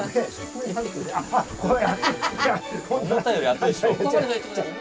思ったより熱いでしょ。